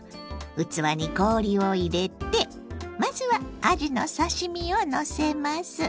器に氷を入れてまずはあじの刺身をのせます。